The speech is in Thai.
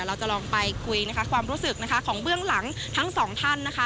เราจะลองไปคุยนะคะความรู้สึกนะคะของเบื้องหลังทั้งสองท่านนะคะ